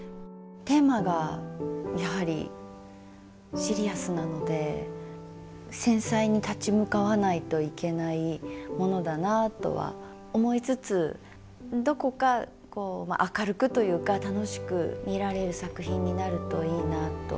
テーマがやはりシリアスなので繊細に立ち向かわないといけないものだなとは思いつつどこかこう明るくというか楽しく見られる作品になるといいなと。